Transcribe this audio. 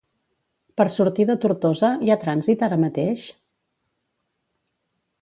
Per sortir de Tortosa, hi ha trànsit ara mateix?